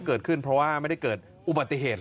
เกิดขึ้นเพราะว่าไม่ได้เกิดอุบัติเหตุ